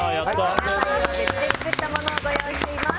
皆様には別で作ったものをご用意しております。